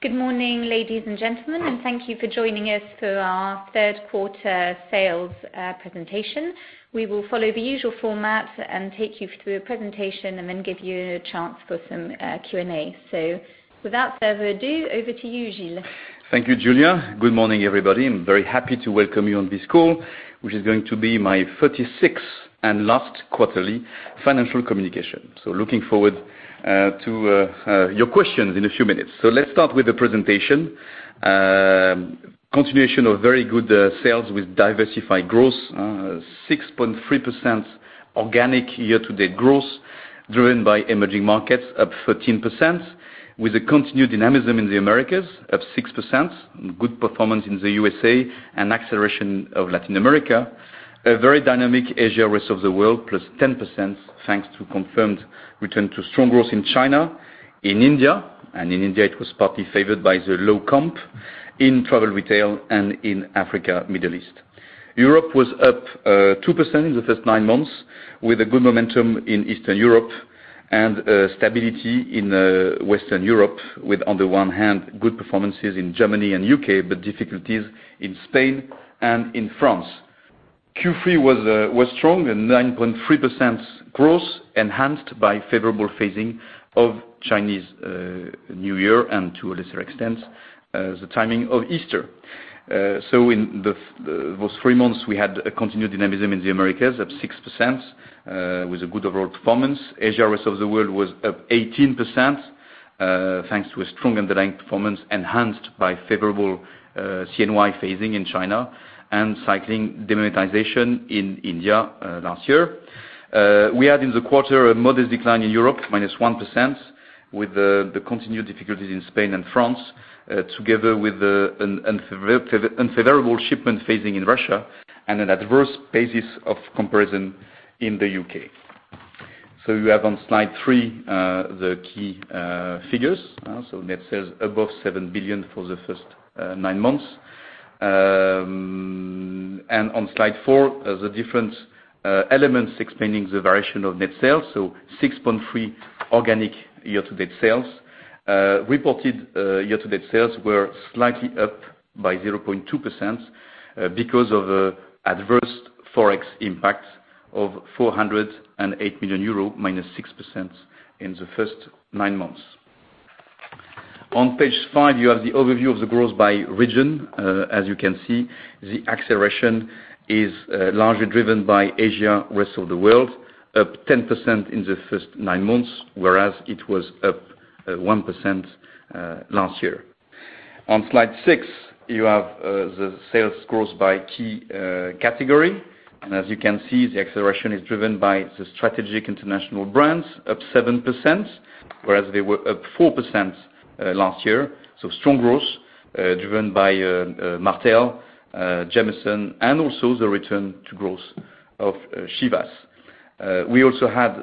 Good morning, ladies and gentlemen, and thank you for joining us for our third-quarter sales presentation. We will follow the usual format and take you through a presentation and then give you a chance for some Q&A. Without further ado, over to you, Gilles. Thank you, Julia. Good morning, everybody. I am very happy to welcome you on this call, which is going to be my 36th and last quarterly financial communication. Looking forward to your questions in a few minutes. Let's start with the presentation. Continuation of very good sales with diversified growth. 6.3% organic year-to-date growth driven by emerging markets up 13%, with a continued dynamism in the Americas up 6%. Good performance in the USA and acceleration of Latin America. A very dynamic Asia rest of the world, plus 10%, thanks to confirmed return to strong growth in China, in India, and in India it was partly favored by the low comp in travel retail and in Africa, Middle East. Europe was up 2% in the first nine months, with a good momentum in Eastern Europe and stability in Western Europe with, on the one hand, good performances in Germany and U.K., but difficulties in Spain and in France. Q3 was strong. A 9.3% growth enhanced by favorable phasing of Chinese New Year and to a lesser extent, the timing of Easter. In those three months, we had a continued dynamism in the Americas of 6% with a good overall performance. Asia rest of the world was up 18% thanks to a strong underlying performance enhanced by favorable CNY phasing in China and cycling demonetization in India last year. We had in the quarter a modest decline in Europe, minus 1%, with the continued difficulties in Spain and France, together with an unfavorable shipment phasing in Russia and an adverse basis of comparison in the U.K. You have on slide three, the key figures. Net sales above 7 billion for the first nine months. On slide four, the different elements explaining the variation of net sales. 6.3% organic year-to-date sales. Reported year-to-date sales were slightly up by 0.2% because of adverse Forex impact of 408 million euro, minus 6% in the first nine months. On page five, you have the overview of the growth by region. As you can see, the acceleration is largely driven by Asia rest of the world, up 10% in the first nine months, whereas it was up 1% last year. On slide six, you have the sales growth by key category. As you can see, the acceleration is driven by the strategic international brands, up 7%, whereas they were up 4% last year. Strong growth driven by Martell, Jameson, and also the return to growth of Chivas. We also had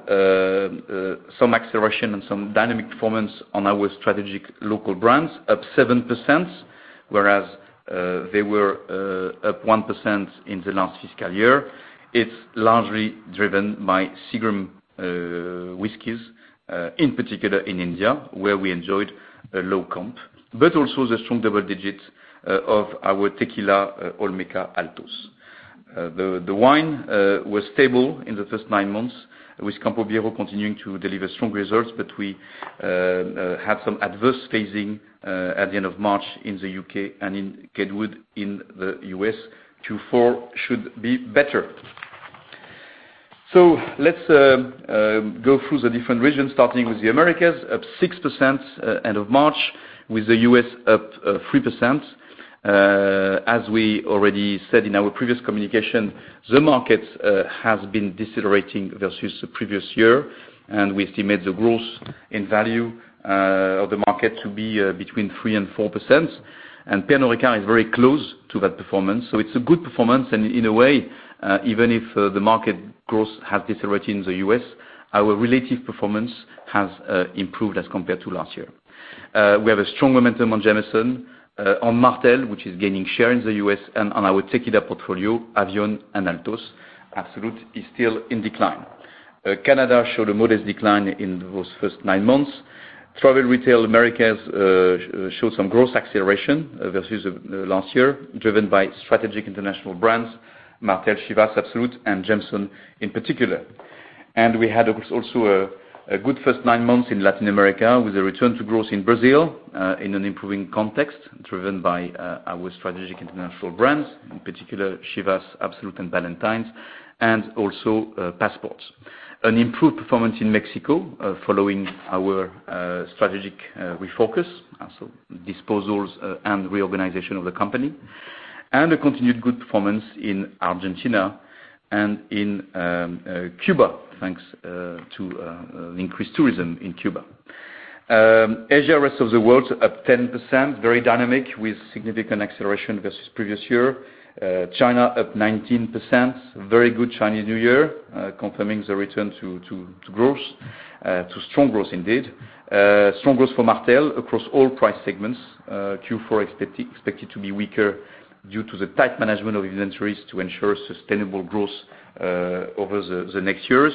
some acceleration and some dynamic performance on our strategic local brands, up 7%, whereas they were up 1% in the last fiscal year. It's largely driven by Seagram's Whiskeys, in particular in India, where we enjoyed a low comp, but also the strong double digits of our tequila, Olmeca Altos. The wine was stable in the first nine months with Campo Viejo continuing to deliver strong results, but we had some adverse phasing at the end of March in the U.K. and in Woodford in the U.S. Q4 should be better. Let's go through the different regions, starting with the Americas, up 6% end of March with the U.S. up 3%. As we already said in our previous communication, the market has been decelerating versus the previous year, and we estimate the growth in value of the market to be between 3% and 4%. Pernod Ricard is very close to that performance. It's a good performance. In a way, even if the market growth has decelerated in the U.S., our relative performance has improved as compared to last year. We have a strong momentum on Jameson, on Martell, which is gaining share in the U.S. and on our tequila portfolio, Avión and Altos. Absolut is still in decline. Canada showed a modest decline in those first nine months. Travel retail Americas showed some growth acceleration versus last year, driven by strategic international brands Martell, Chivas, Absolut, and Jameson in particular. We had, of course, also a good first nine months in Latin America with a return to growth in Brazil in an improving context driven by our strategic international brands, in particular Chivas, Absolut, and Ballantine's, and also Passport. An improved performance in Mexico following our strategic refocus. Disposals and reorganization of the company. A continued good performance in Argentina and in Cuba, thanks to increased tourism in Cuba. Asia rest of the world up 10%, very dynamic with significant acceleration versus previous year. China up 19%, very good Chinese New Year, confirming the return to growth, to strong growth indeed. Strong growth for Martell across all price segments. Q4 expected to be weaker due to the tight management of inventories to ensure sustainable growth over the next years.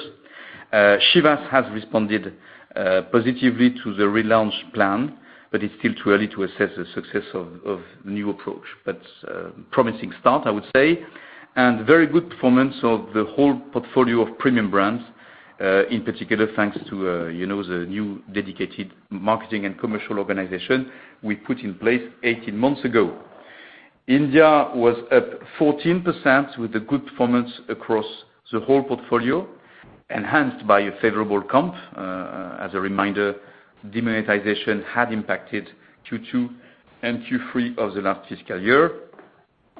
Chivas has responded positively to the relaunch plan, but it's still too early to assess the success of the new approach. Promising start, I would say. Very good performance of the whole portfolio of premium brands, in particular, thanks to the new dedicated marketing and commercial organization we put in place 18 months ago. India was up 14% with a good performance across the whole portfolio, enhanced by a favorable comp. As a reminder, demonetization had impacted Q2 and Q3 of the last fiscal year.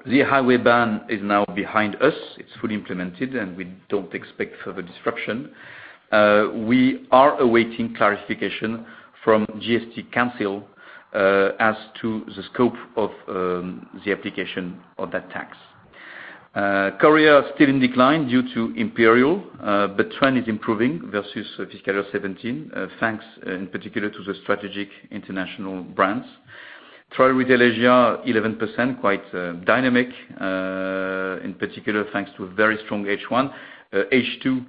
The highway ban is now behind us. It's fully implemented, and we don't expect further disruption. We are awaiting clarification from GST Council as to the scope of the application of that tax. Korea is still in decline due to Imperial, but trend is improving versus FY 2017, thanks in particular to the strategic international brands. Travel Retail Asia, 11%, quite dynamic, in particular, thanks to a very strong H1. H2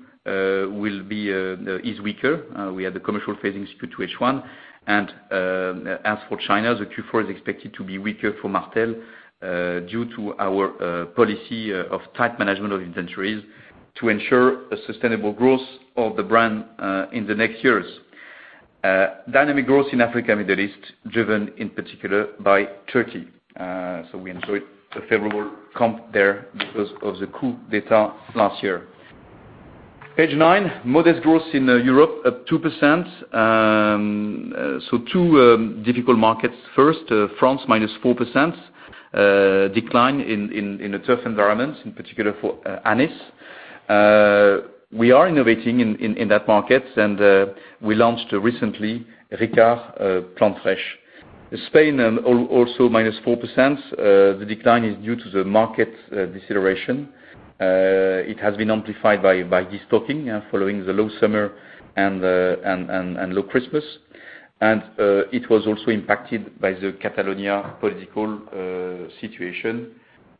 is weaker. We had the commercial phasing Q2 H1. As for China, the Q4 is expected to be weaker for Martell due to our policy of tight management of inventories to ensure a sustainable growth of the brand in the next years. Dynamic growth in Africa, Middle East, driven in particular by Turkey. We enjoyed a favorable comp there because of the coup d'etat last year. Page nine. Modest growth in Europe, up 2%. Two difficult markets. First, France, minus 4%, decline in a tough environment, in particular for Anis. We are innovating in that market, and we launched recently Ricard Plantes Fraîches. Spain also minus 4%. The decline is due to the market deceleration. It has been amplified by de-stocking following the low summer and low Christmas. It was also impacted by the Catalonia political situation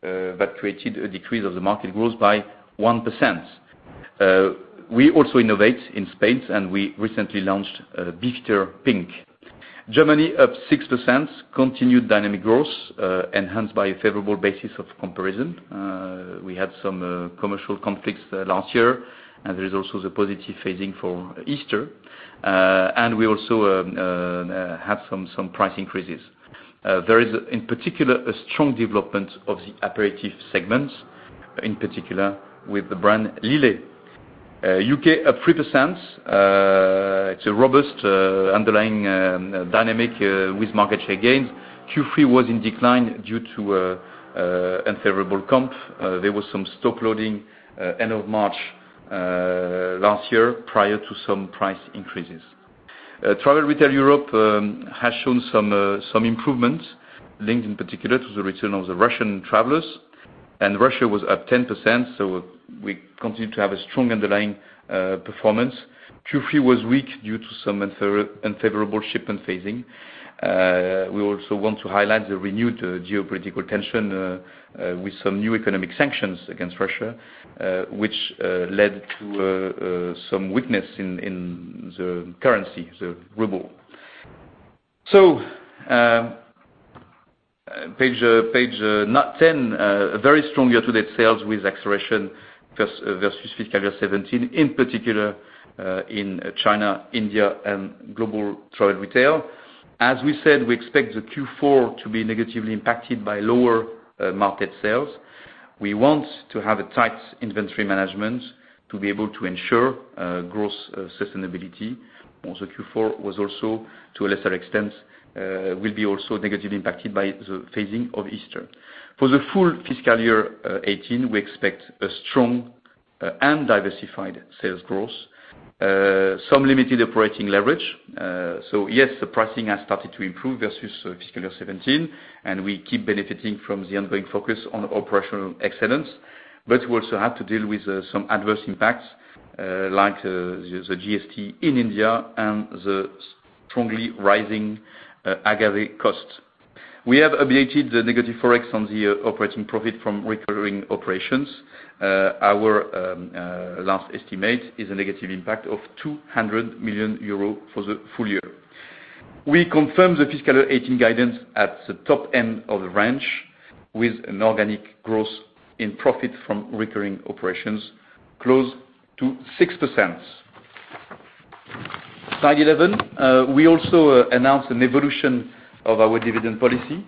that created a decrease of the market growth by 1%. We also innovate in Spain, and we recently launched Beefeater Pink. Germany up 6%, continued dynamic growth, enhanced by a favorable basis of comparison. We had some commercial conflicts last year, there is also the positive phasing for Easter. We also have some price increases. There is, in particular, a strong development of the aperitif segments, in particular with the brand Lillet. U.K. up 3%. It's a robust underlying dynamic with market share gains. Q3 was in decline due to unfavorable comp. There was some stock loading end of March last year prior to some price increases. Travel Retail Europe has shown some improvement linked in particular to the return of the Russian travelers. Russia was up 10%, we continue to have a strong underlying performance. Q3 was weak due to some unfavorable shipment phasing. We also want to highlight the renewed geopolitical tension with some new economic sanctions against Russia, which led to some weakness in the currency, the ruble. Page 10, a very strong year-to-date sales with acceleration versus fiscal year 2017, in particular in China, India, and global travel retail. As we said, we expect the Q4 to be negatively impacted by lower market sales. We want to have a tight inventory management to be able to ensure growth sustainability. Q4, to a lesser extent, will be also negatively impacted by the phasing of Easter. For the full fiscal year 2018, we expect a strong and diversified sales growth. Some limited operating leverage. Yes, the pricing has started to improve versus fiscal year 2017, we keep benefiting from the ongoing focus on operational excellence. We also have to deal with some adverse impacts like the GST in India and the strongly rising agave cost. We have obviated the negative Forex on the operating profit from recurring operations. Our last estimate is a negative impact of 200 million euros for the full year. We confirm the fiscal year 2018 guidance at the top end of the range with an organic growth in profit from recurring operations close to 6%. Slide 11. We also announced an evolution of our dividend policy.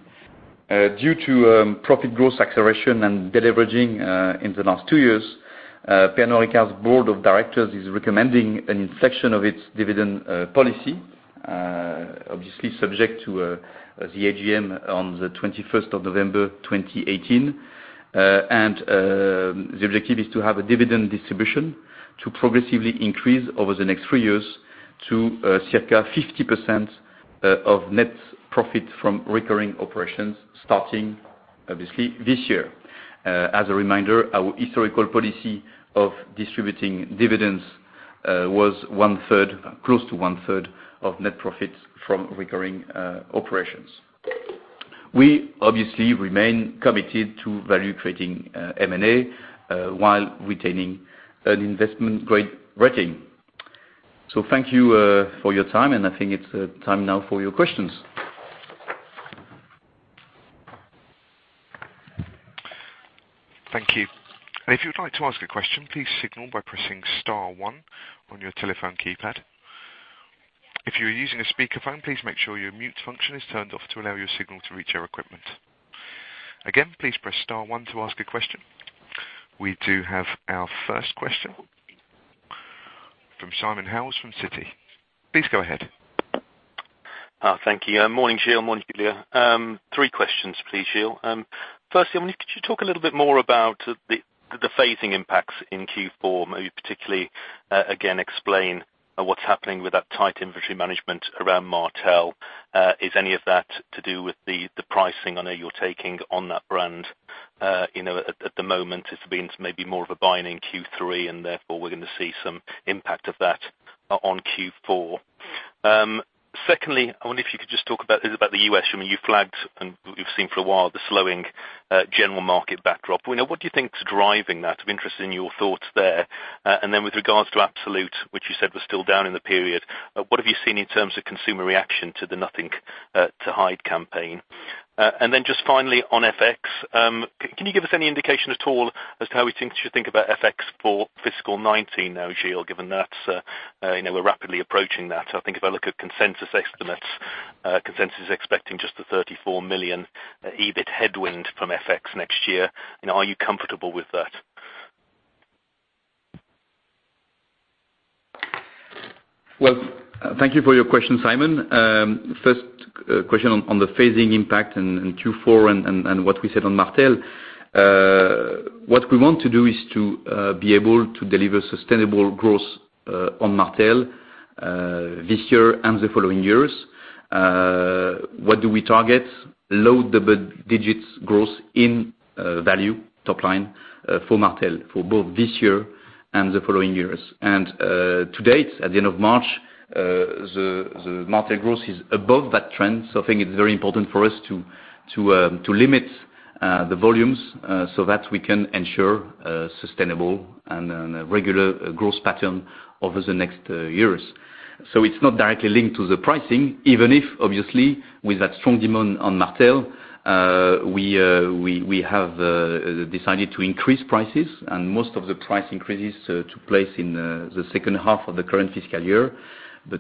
Due to profit growth acceleration and deleveraging in the last two years, Pernod Ricard's board of directors is recommending an inflection of its dividend policy, obviously subject to the AGM on the 21st of November 2018. The objective is to have a dividend distribution to progressively increase over the next 3 years to circa 50% of net profit from recurring operations, starting obviously this year. As a reminder, our historical policy of distributing dividends was close to one-third of net profits from recurring operations. We obviously remain committed to value creating M&A while retaining an investment-grade rating. Thank you for your time, and I think it's time now for your questions. Thank you. If you'd like to ask a question, please signal by pressing star 1 on your telephone keypad. If you're using a speakerphone, please make sure your mute function is turned off to allow your signal to reach our equipment. Again, please press star 1 to ask a question. We do have our first question from Simon Hales from Citi. Please go ahead. Thank you. Morning, Gilles. Morning, Julia. Three questions, please, Gilles. Firstly, could you talk a little bit more about the phasing impacts in Q4? Maybe particularly, again, explain what's happening with that tight inventory management around Martell. Is any of that to do with the pricing I know you're taking on that brand? At the moment, it's been maybe more of a buy in Q3 and therefore we're going to see some impact of that on Q4. Secondly, I wonder if you could just talk about the U.S. You flagged and we've seen for a while the slowing general market backdrop. What do you think is driving that? I'm interested in your thoughts there. Then with regards to Absolut, which you said was still down in the period, what have you seen in terms of consumer reaction to the Nothing to Hide campaign? Then just finally on FX, can you give us any indication at all as to how we should think about FX for fiscal 2019 now, Gilles, given that we're rapidly approaching that. I think if I look at consensus estimates, consensus is expecting just a 34 million EBIT headwind from FX next year. Are you comfortable with that? Well, thank you for your question, Simon. First question on the phasing impact in Q4 and what we said on Martell. What we want to do is to be able to deliver sustainable growth on Martell this year and the following years. What do we target? Low double-digit growth in value top line for Martell for both this year and the following years. To date, at the end of March, the Martell growth is above that trend. I think it's very important for us to limit the volumes so that we can ensure a sustainable and a regular growth pattern over the next years. It's not directly linked to the pricing, even if, obviously, with that strong demand on Martell, we have decided to increase prices and most of the price increases took place in the second half of the current fiscal year.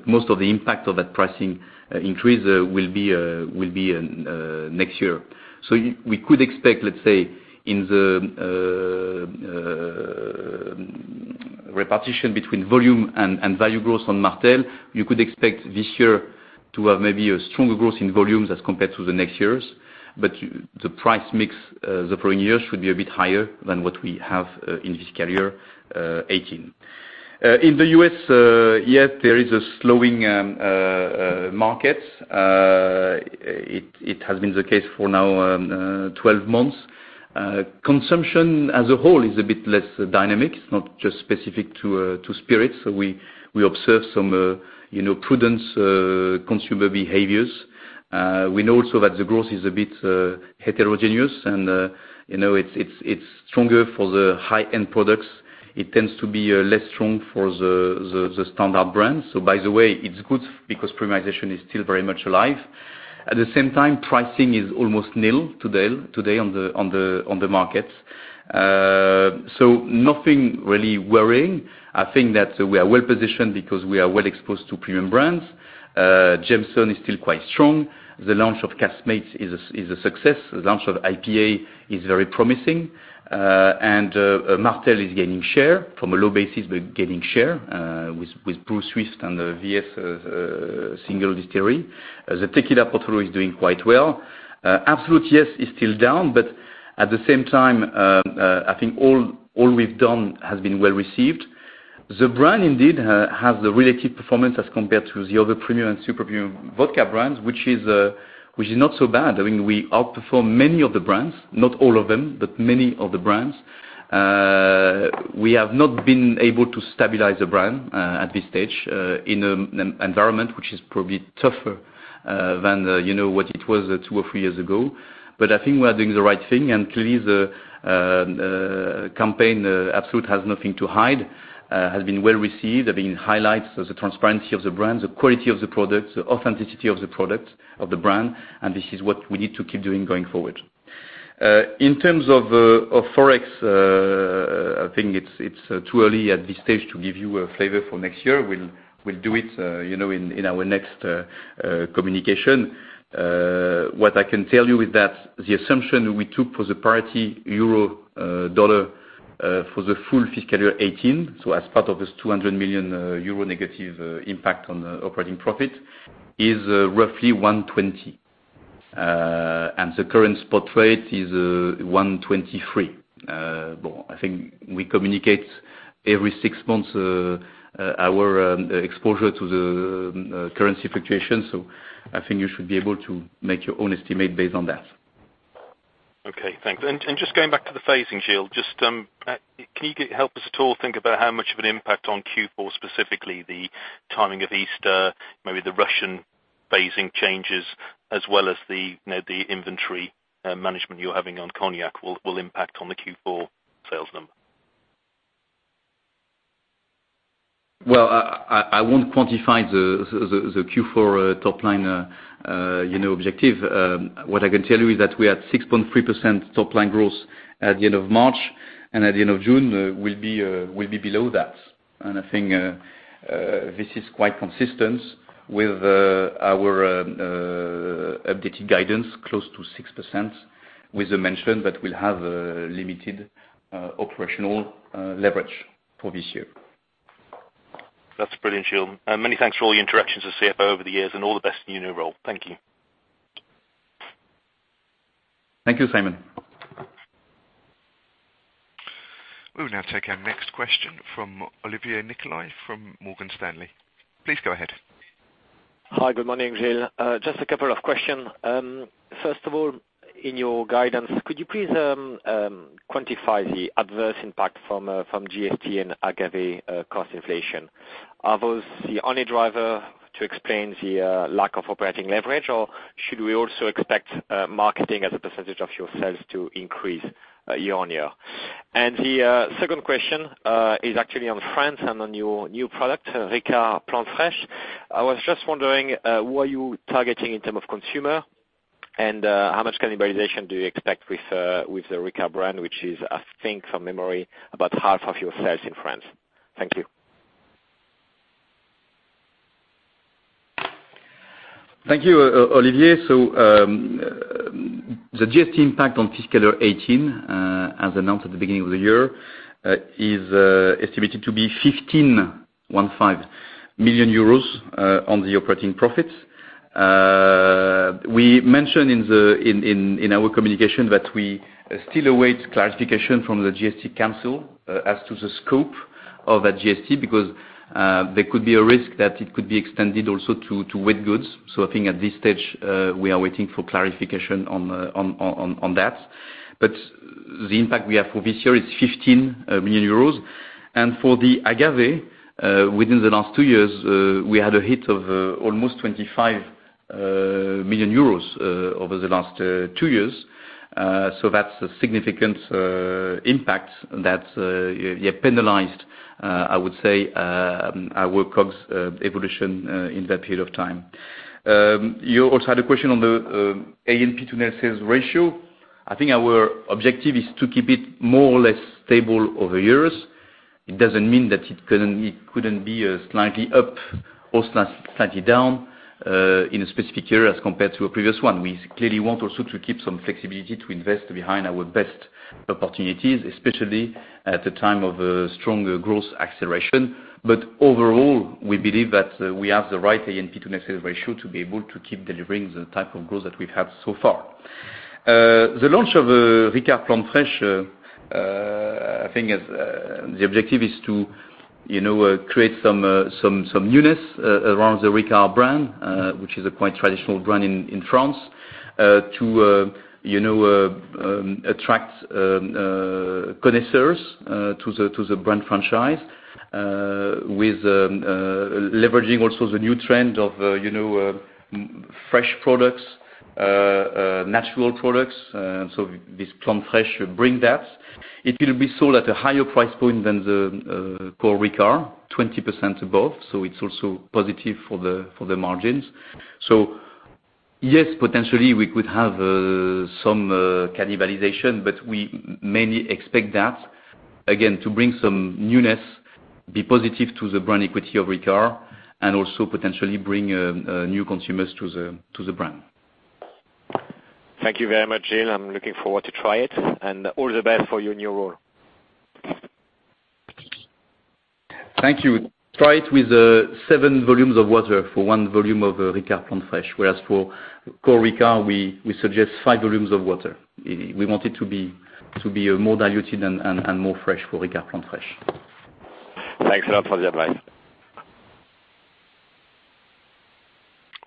Most of the impact of that pricing increase will be next year. We could expect, let's say, in the repartition between volume and value growth on Martell, you could expect this year to have maybe a stronger growth in volumes as compared to the next years. The price mix the following year should be a bit higher than what we have in fiscal year 2018. In the U.S., yes, there is a slowing market. It has been the case for now 12 months. Consumption as a whole is a bit less dynamic. It's not just specific to spirits. We observe some prudent consumer behaviors. We know also that the growth is a bit heterogeneous, and it's stronger for the high-end products. It tends to be less strong for the standard brand. By the way, it's good because premiumization is still very much alive. At the same time, pricing is almost nil today on the market. Nothing really worrying. I think that we are well-positioned because we are well exposed to premium brands. Jameson is still quite strong. The launch of Casamigos is a success. The launch of IPA is very promising. Martell is gaining share from a low basis, but gaining share with Blue Swift and the VS Single Distillery. The tequila portfolio is doing quite well. Absolut, yes, is still down, but at the same time, I think all we've done has been well received. The brand indeed has a relative performance as compared to the other premium and super premium vodka brands, which is not so bad. I mean, we outperform many of the brands. Not all of them, but many of the brands. We have not been able to stabilize the brand, at this stage, in an environment which is probably tougher than what it was two or three years ago. I think we are doing the right thing, and clearly the campaign, Absolut has Nothing to Hide, has been well received. There've been highlights of the transparency of the brand, the quality of the product, the authenticity of the product, of the brand, and this is what we need to keep doing going forward. In terms of Forex, I think it's too early at this stage to give you a flavor for next year. We'll do it in our next communication. What I can tell you is that the assumption we took for the parity euro dollar for the full fiscal year 2018, so as part of this 200 million euro negative impact on operating profit, is roughly 120 million. The current spot rate is 123. I think we communicate every six months our exposure to the currency fluctuation, so I think you should be able to make your own estimate based on that. Okay, thanks. Just going back to the phasing, Gilles, just can you help us at all think about how much of an impact on Q4, specifically the timing of Easter, maybe the Russian phasing changes, as well as the inventory management you're having on cognac will impact on the Q4 sales number? Well, I won't quantify the Q4 top line objective. What I can tell you is that we had 6.3% top line growth at the end of March, and at the end of June we'll be below that. I think this is quite consistent with our updated guidance, close to 6%, with the mention that we'll have limited operational leverage for this year. That's brilliant, Gilles. Many thanks for all your interactions as CFO over the years and all the best in your new role. Thank you. Thank you, Simon. We will now take our next question from Olivier Nicolai from Morgan Stanley. Please go ahead. Hi, good morning, Gilles. Just a couple of question. First of all, in your guidance, could you please quantify the adverse impact from GST and agave cost inflation? Are those the only driver to explain the lack of operating leverage, or should we also expect marketing as a percentage of your sales to increase year-on-year? The second question is actually on France and on your new product, Ricard Plantes Fraîches. I was just wondering what you targeting in term of consumer and how much cannibalization do you expect with the Ricard brand, which is, I think from memory, about half of your sales in France. Thank you. Thank you, Olivier. The GST impact on fiscal 2018, as announced at the beginning of the year, is estimated to be 15 million euros on the operating profits. We mentioned in our communication that we still await clarification from the GST Council as to the scope of that GST, because there could be a risk that it could be extended also to wet goods. I think at this stage, we are waiting for clarification on that. The impact we have for this year is 15 million euros. For the agave, within the last two years, we had a hit of almost 25 million euros over the last two years. That's a significant impact that penalized, I would say, our COGS evolution in that period of time. You also had a question on the A&P to net sales ratio. I think our objective is to keep it more or less stable over years. It doesn't mean that it couldn't be slightly up or slightly down in a specific year as compared to a previous one. We clearly want also to keep some flexibility to invest behind our best opportunities, especially at the time of a stronger growth acceleration. Overall, we believe that we have the right A&P to net sales ratio to be able to keep delivering the type of growth that we've had so far. The launch of Ricard Plantes Fraîches, I think the objective is to create some newness around the Ricard brand, which is a quite traditional brand in France to attract connoisseurs to the brand franchise with leveraging also the new trend of fresh products, natural products. This Plant Fresh should bring that. It will be sold at a higher price point than the core Ricard, 20% above, so it's also positive for the margins. Yes, potentially we could have some cannibalization, but we mainly expect that, again, to bring some newness, be positive to the brand equity of Ricard and also potentially bring new consumers to the brand. Thank you very much, Gilles. I'm looking forward to try it, and all the best for your new role. Thank you. Try it with seven volumes of water for one volume of Ricard Plantes Fraîches, whereas for core Ricard, we suggest five volumes of water. We want it to be more diluted and more fresh for Ricard Plantes Fraîches. Thanks a lot for the advice.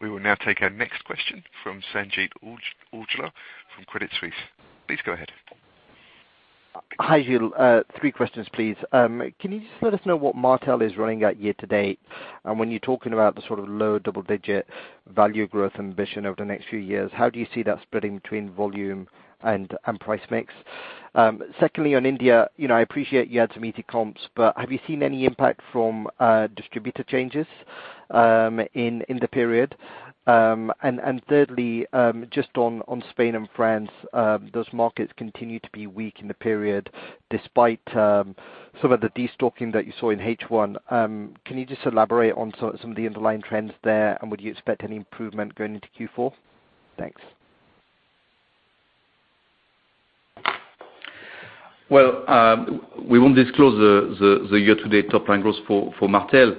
We will now take our next question from Sanjeet Aujla from Credit Suisse. Please go ahead. Hi, Gilles. Three questions, please. Can you just let us know what Martell is running at year to date? When you're talking about the sort of low double-digit value growth ambition over the next few years, how do you see that splitting between volume and price mix? Secondly, on India, I appreciate you had some easy comps, but have you seen any impact from distributor changes in the period? Thirdly, just on Spain and France, those markets continue to be weak in the period despite some of the destocking that you saw in H1. Can you just elaborate on some of the underlying trends there, and would you expect any improvement going into Q4? Thanks. Well, we won't disclose the year-to-date top line growth for Martell.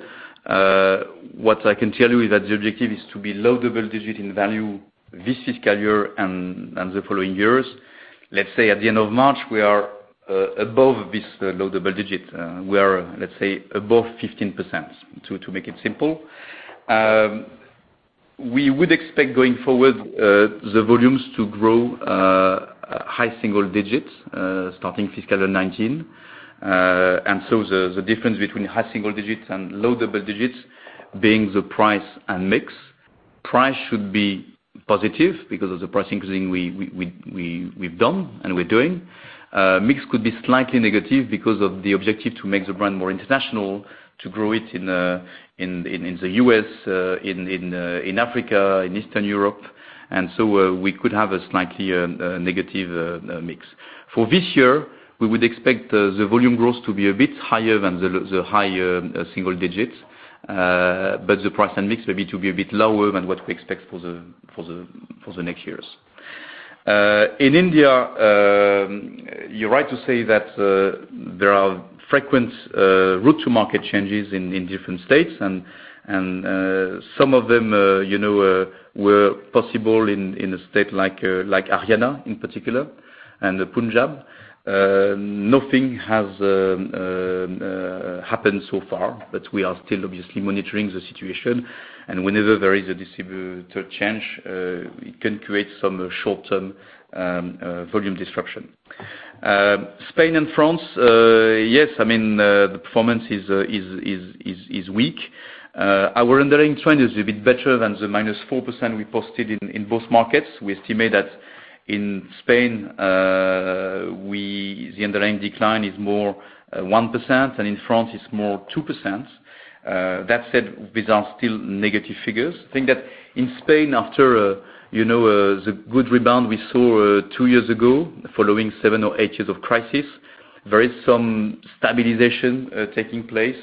What I can tell you is that the objective is to be low double digit in value this fiscal year and the following years. Let's say at the end of March, we are above this low double digit. We are, let's say, above 15%, to make it simple. We would expect going forward, the volumes to grow high single digits, starting fiscal 2019. So the difference between high single digits and low double digits being the price and mix. Price should be positive because of the price increasing we've done and we're doing. Mix could be slightly negative because of the objective to make the brand more international, to grow it in the U.S., in Africa, in Eastern Europe, so we could have a slightly negative mix. For this year, we would expect the volume growth to be a bit higher than the high single digits, but the price and mix maybe to be a bit lower than what we expect for the next years. In India, you're right to say that there are frequent route-to-market changes in different states and some of them were possible in a state like Haryana, in particular, and Punjab. Nothing has happened so far, but we are still obviously monitoring the situation. Whenever there is a distributor change, it can create some short-term volume disruption. Spain and France, yes, the performance is weak. Our underlying trend is a bit better than the minus 4% we posted in both markets. We estimate that in Spain, the underlying decline is more, 1%, and in France it's more, 2%. That said, these are still negative figures. I think that in Spain, after the good rebound we saw two years ago, following seven or eight years of crisis, there is some stabilization taking place.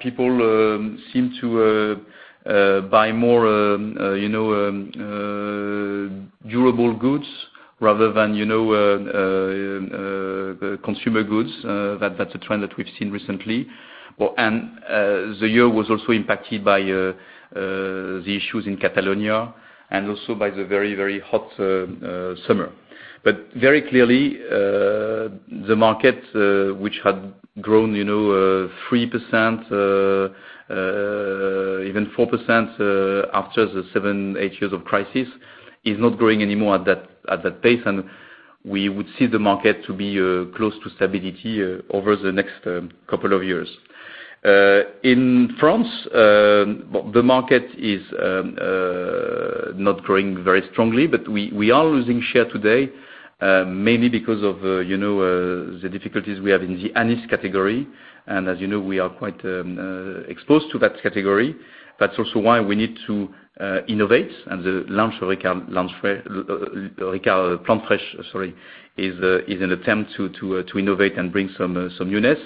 People seem to buy more durable goods rather than consumer goods. That's a trend that we've seen recently. The year was also impacted by the issues in Catalonia and also by the very, very hot summer. Very clearly, the market, which had grown 3%, even 4%, after the seven, eight years of crisis, is not growing anymore at that pace, and we would see the market to be close to stability over the next couple of years. In France, the market is not growing very strongly, but we are losing share today, mainly because of the difficulties we have in the anise category. As you know, we are quite exposed to that category. That's also why we need to innovate and the launch of Ricard Plantes Fraîches is an attempt to innovate and bring some newness.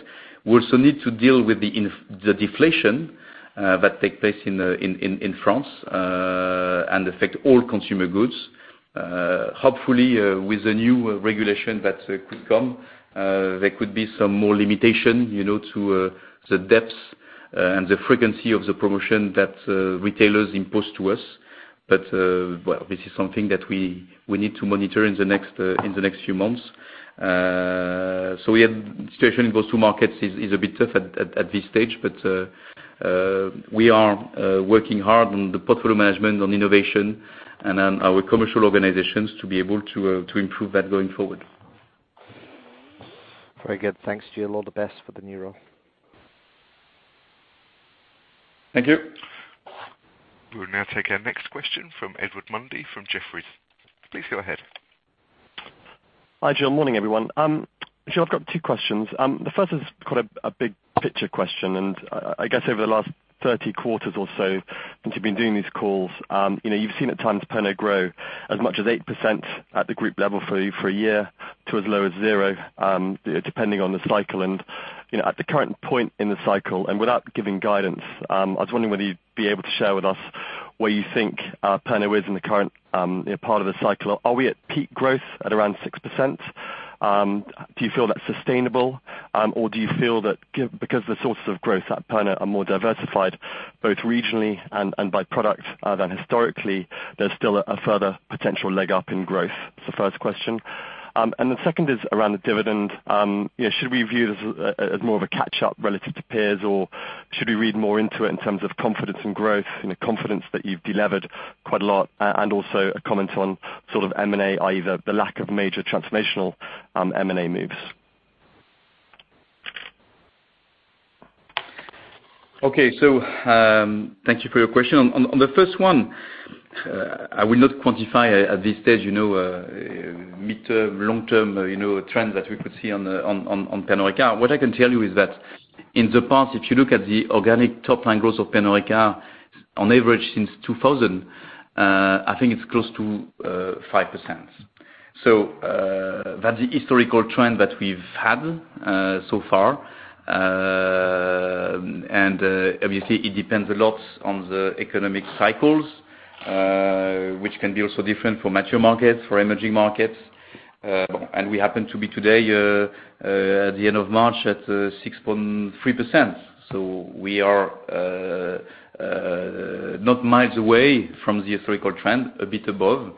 We also need to deal with the deflation that take place in France, and affect all consumer goods. Hopefully, with the new regulation that could come, there could be some more limitation to the depths and the frequency of the promotion that retailers impose to us. This is something that we need to monitor in the next few months. The situation in those two markets is a bit tough at this stage, but we are working hard on the portfolio management, on innovation, and on our commercial organizations to be able to improve that going forward. Very good. Thanks, Gilles. All the best for the new role. Thank you. We will now take our next question from Edward Mundy from Jefferies. Please go ahead. Hi, Gilles. Morning, everyone. Gilles, I've got two questions. The first is quite a big picture question, I guess over the last 30 quarters or so since you've been doing these calls, you've seen at times Pernod grow as much as 8% at the group level for a year, to as low as zero, depending on the cycle. At the current point in the cycle, without giving guidance, I was wondering whether you'd be able to share with us where you think Pernod is in the current part of the cycle. Are we at peak growth at around 6%? Do you feel that's sustainable, or do you feel that because the sources of growth at Pernod are more diversified, both regionally and by product than historically, there's still a further potential leg up in growth? That's the first question. The second is around the dividend. Should we view it as more of a catch-up relative to peers, or should we read more into it in terms of confidence and growth, confidence that you've delevered quite a lot, also a comment on sort of M&A, either the lack of major transformational M&A moves. Thank you for your question. On the first one, I will not quantify at this stage, mid-term, long-term trend that we could see on Pernod Ricard. What I can tell you is that in the past, if you look at the organic top line growth of Pernod Ricard, on average since 2000, I think it's close to 5%. That's the historical trend that we've had so far. Obviously it depends a lot on the economic cycles, which can be also different for mature markets, for emerging markets. We happen to be today, at the end of March, at 6.3%. We are not miles away from the historical trend, a bit above.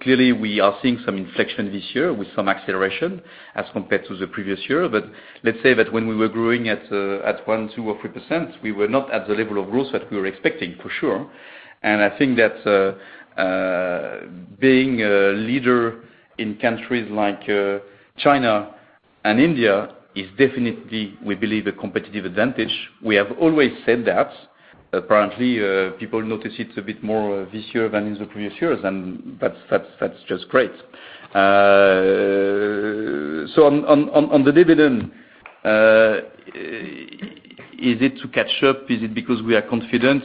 Clearly we are seeing some inflection this year with some acceleration as compared to the previous year. Let's say that when we were growing at 1%, 2% or 3%, we were not at the level of growth that we were expecting, for sure. I think that being a leader in countries like China and India is definitely, we believe, a competitive advantage. We have always said that. Apparently, people notice it a bit more this year than in the previous years, and that's just great. On the dividend, is it to catch up? Is it because we are confident?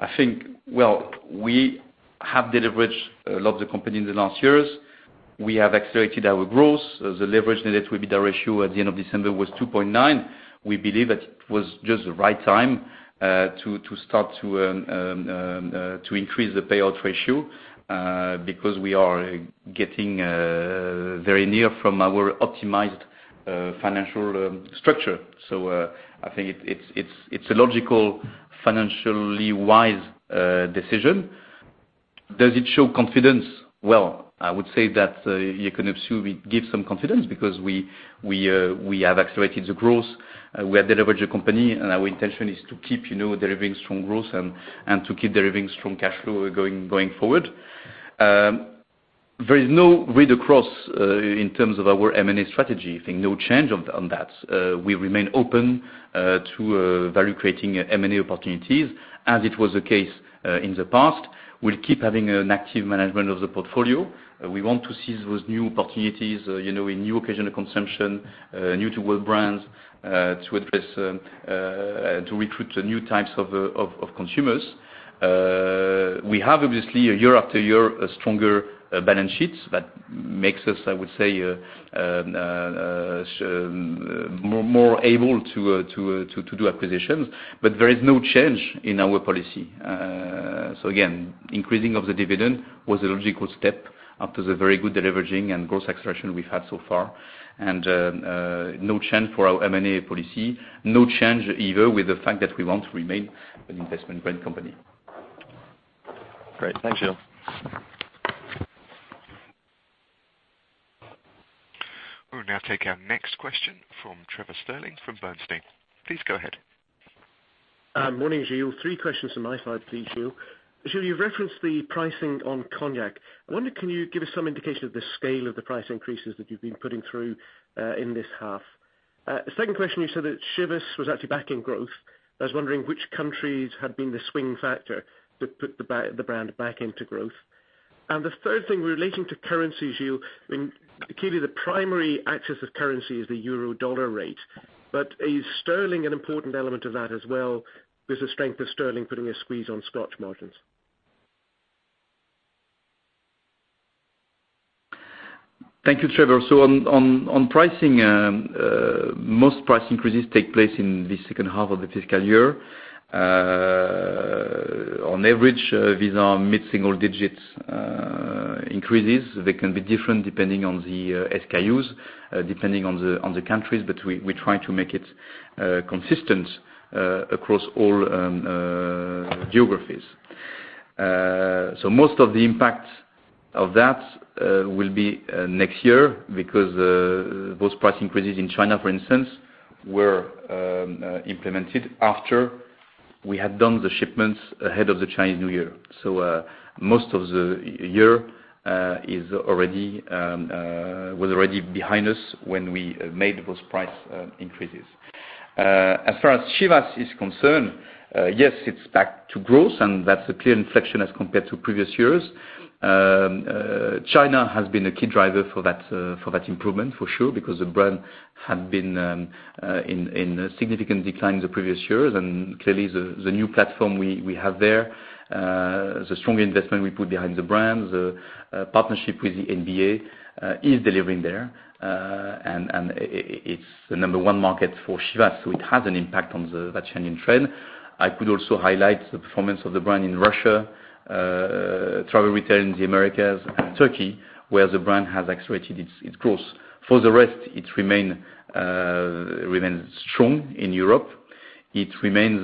I think, well, we have deleveraged a lot of the company in the last years. We have accelerated our growth. The leverage net debt will be the ratio at the end of December was 2.9. We believe that it was just the right time to start to increase the payout ratio, because we are getting very near from our optimized financial structure. I think it's a logical, financially wise decision. Does it show confidence? Well, I would say that you can observe it gives some confidence because we have accelerated the growth, we have deleveraged the company, and our intention is to keep deriving strong growth and to keep deriving strong cash flow going forward. There is no read across, in terms of our M&A strategy. I think no change on that. We remain open to value creating M&A opportunities as it was the case in the past. We'll keep having an active management of the portfolio. We want to seize those new opportunities, in new occasional consumption, new to world brands, to address, to recruit the new types of consumers. We have obviously a year after year, a stronger balance sheet that makes us, I would say, more able to do acquisitions. There is no change in our policy. Again, increasing of the dividend was a logical step after the very good deleveraging and growth acceleration we've had so far. No change for our M&A policy. No change either with the fact that we want to remain an investment brand company. Great. Thank you. We will now take our next question from Trevor Stirling from Bernstein. Please go ahead. Morning, Gilles. Three questions on my side, please, Gilles. Gilles, you've referenced the pricing on cognac. I wonder, can you give us some indication of the scale of the price increases that you've been putting through in this half? Second question, you said that Chivas was actually back in growth. I was wondering which countries had been the swing factor that put the brand back into growth. The third thing relating to currency issues, clearly the primary axis of currency is the euro dollar rate. Is sterling an important element of that as well? There's a strength of sterling putting a squeeze on Scotch margins. Thank you, Trevor. On pricing, most price increases take place in the second half of the fiscal year. On average, these are mid-single digits increases. They can be different depending on the SKUs, depending on the countries. We try to make it consistent across all geographies. Most of the impact of that will be next year because those price increases in China, for instance, were implemented after we had done the shipments ahead of the Chinese New Year. Most of the year was already behind us when we made those price increases. As far as Chivas is concerned, yes, it's back to growth, and that's a clear inflection as compared to previous years. China has been a key driver for that improvement, for sure, because the brand had been in a significant decline in the previous years. Clearly the new platform we have there, the strong investment we put behind the brand, the partnership with the NBA, is delivering there. It's the number one market for Chivas, so it has an impact on the changing trend. I could also highlight the performance of the brand in Russia, travel retail in the Americas and Turkey, where the brand has accelerated its growth. For the rest, it remains strong in Europe. It remains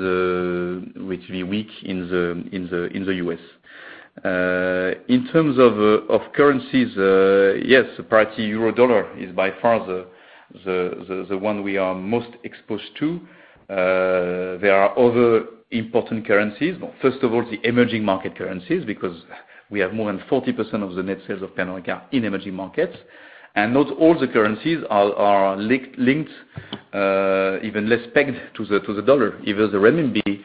relatively weak in the U.S. In terms of currencies, yes, the price euro dollar is by far the one we are most exposed to. There are other important currencies. First of all, the emerging market currencies, because we have more than 40% of the net sales of Pernod Ricard in emerging markets. Not all the currencies are linked, even less pegged to the dollar. Even the renminbi,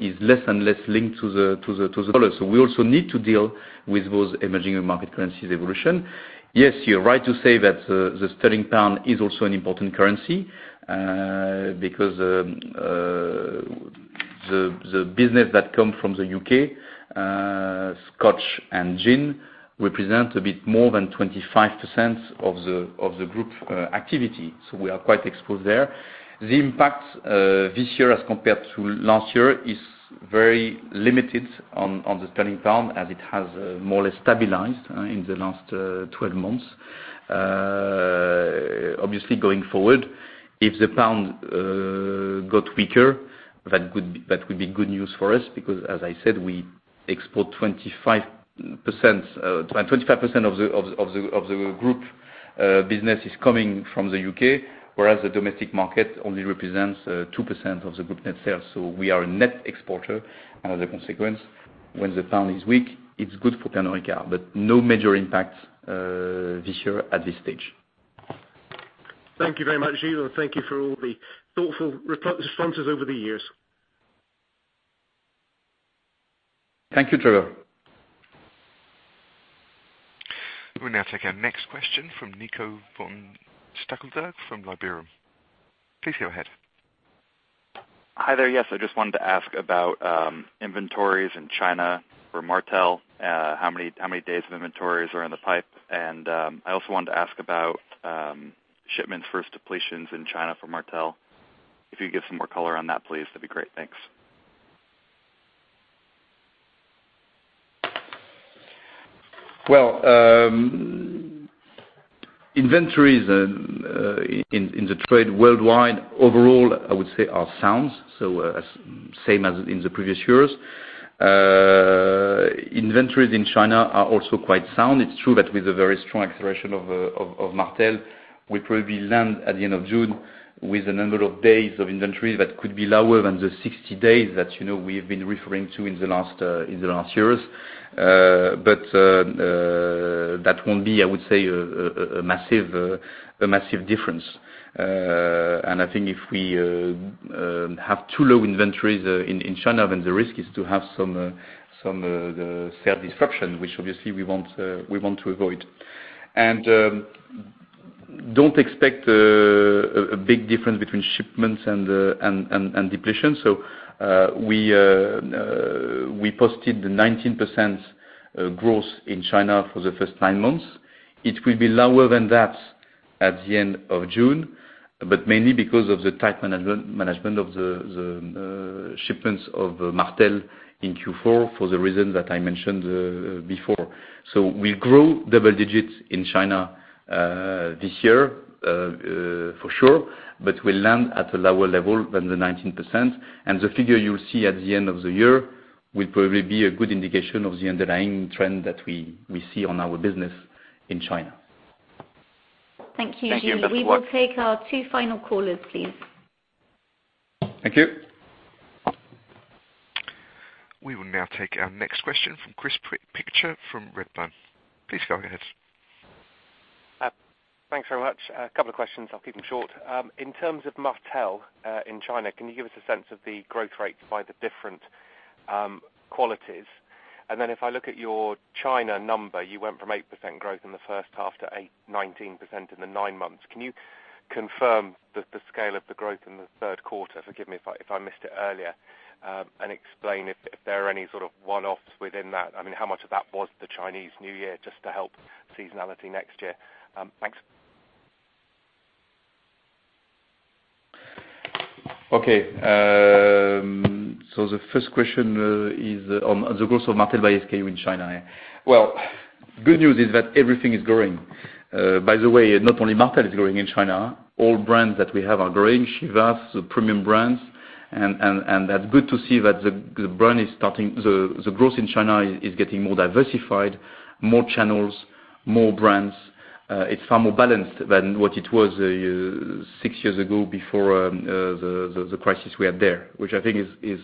is less and less linked to the dollar. We also need to deal with those emerging market currencies evolution. Yes, you're right to say that the sterling pound is also an important currency, because the business that come from the U.K., Scotch and gin represent a bit more than 25% of the group activity. We are quite exposed there. The impact, this year as compared to last year, is very limited on the sterling pound, as it has more or less stabilized in the last 12 months. Obviously going forward, if the pound got weaker, that would be good news for us because as I said, we export 25% of the group business is coming from the U.K., whereas the domestic market only represents 2% of the group net sales. We are a net exporter. As a consequence, when the pound is weak, it's good for Pernod Ricard. No major impact this year at this stage. Thank you very much, Gilles. Thank you for all the thoughtful responses over the years. Thank you, Trevor. We'll now take our next question from Nico von Stackelberg from Liberum. Please go ahead. Hi there. Yes, I just wanted to ask about inventories in China for Martell. How many days of inventories are in the pipe? I also wanted to ask about shipments versus depletions in China for Martell. If you could give some more color on that, please, that'd be great. Thanks. Well, inventories in the trade worldwide overall, I would say are sound. Same as in the previous years. Inventories in China are also quite sound. It's true that with the very strong acceleration of Martell, we probably land at the end of June with a number of days of inventory that could be lower than the 60 days that we have been referring to in the last years. That won't be, I would say, a massive difference. I think if we have too low inventories in China, then the risk is to have some sales disruption, which obviously we want to avoid. Don't expect a big difference between shipments and depletion. We posted the 19% growth in China for the first nine months. It will be lower than that at the end of June, but mainly because of the tight management of the shipments of Martell in Q4 for the reason that I mentioned before. We'll grow double digits in China this year for sure, but we'll land at a lower level than the 19%. The figure you'll see at the end of the year will probably be a good indication of the underlying trend that we see on our business in China. Thank you, Gilles. We will take our two final callers, please. Thank you. We will now take our next question from Chris Pitcher from Redburn. Please go ahead. Thanks very much. A couple of questions. I'll keep them short. In terms of Martell, in China, can you give us a sense of the growth rates by the different qualities? If I look at your China number, you went from 8% growth in the first half to 19% in the nine months. Can you confirm the scale of the growth in the third quarter? Forgive me if I missed it earlier. Explain if there are any sort of one-offs within that. How much of that was the Chinese New Year just to help seasonality next year? Thanks. Okay. The first question is on the growth of Martell by SKU in China. Well, good news is that everything is growing. By the way, not only Martell is growing in China. All brands that we have are growing. Chivas, the premium brands. That's good to see that the growth in China is getting more diversified, more channels, more brands. It's far more balanced than what it was six years ago before the crisis we had there, which I think is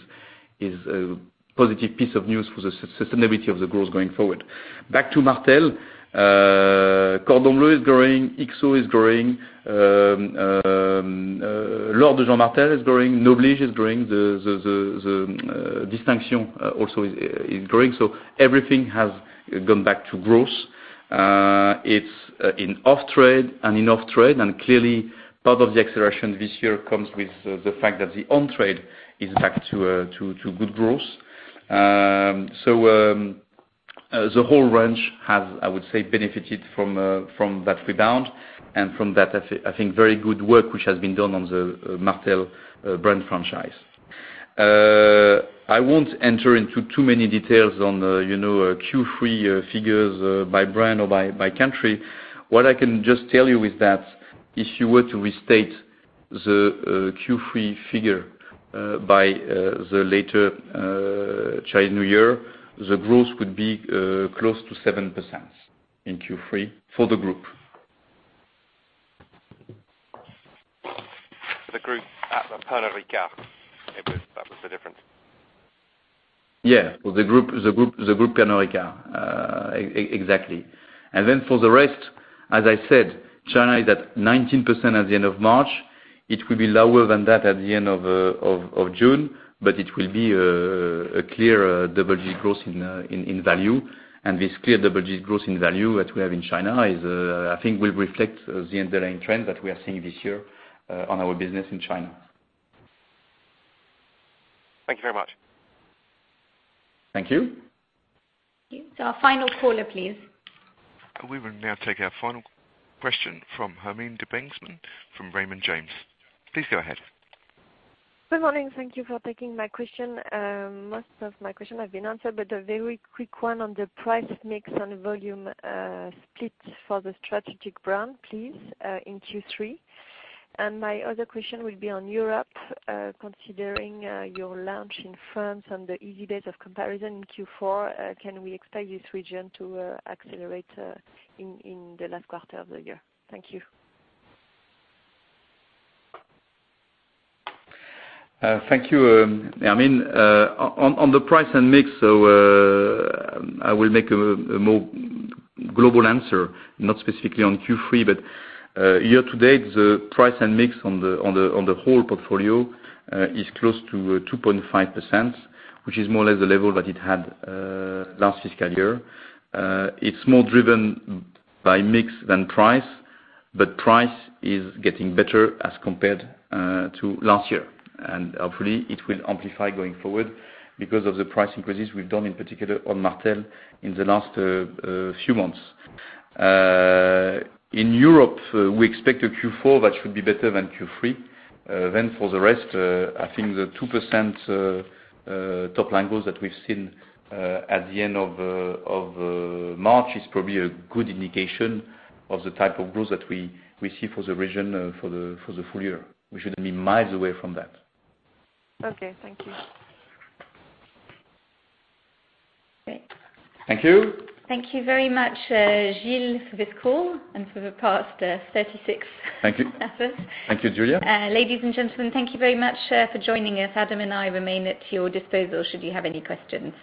a positive piece of news for the sustainability of the growth going forward. Back to Martell. Cordon Bleu is growing. XO is growing. L'Or de Jean Martell is growing. Noblige is growing. The Distinction also is growing. Everything has gone back to growth. It's in off-trade, clearly part of the acceleration this year comes with the fact that the on-trade is back to good growth. The whole range has, I would say, benefited from that rebound and from that, I think very good work which has been done on the Martell brand franchise. I won't enter into too many details on Q3 figures by brand or by country. What I can just tell you is that if you were to restate the Q3 figure by the later Chinese New Year, the growth would be close to 7% in Q3 for the group. For the group at Pernod Ricard, that was the difference? Yeah. For the group Pernod Ricard. Exactly. For the rest, as I said, China is at 19% at the end of March. It will be lower than that at the end of June. It will be a clear double digit growth in value. This clear double digit growth in value that we have in China, I think will reflect the underlying trend that we are seeing this year on our business in China. Thank you very much. Thank you. Our final caller, please. We will now take our final question from Hermine de Bentzmann from Raymond James. Please go ahead. Good morning. Thank you for taking my question. Most of my question has been answered, a very quick one on the price mix and volume split for the strategic brand, please, in Q3. My other question will be on Europe, considering your launch in France and the easy base of comparison in Q4, can we expect this region to accelerate in the last quarter of the year? Thank you. Thank you, Hermine. On the price and mix, I will make a more global answer, not specifically on Q3. Year to date, the price and mix on the whole portfolio is close to 2.5%, which is more or less the level that it had last fiscal year. It's more driven by mix than price is getting better as compared to last year. Hopefully it will amplify going forward because of the price increases we've done, in particular on Martell in the last few months. In Europe, we expect a Q4 that should be better than Q3. For the rest, I think the 2% top line growth that we've seen at the end of March is probably a good indication of the type of growth that we see for the region for the full year. We shouldn't be miles away from that. Okay. Thank you. Thank you. Thank you very much, Gilles, for this call and for the past 36 hours. Thank you. Thank you, Julia. Ladies and gentlemen, thank you very much for joining us. Adam and I remain at your disposal should you have any questions.